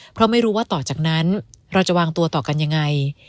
เพราะไม่รู้ว่าต่อจากนั้นเราจะวางตัวต่อกันยังไง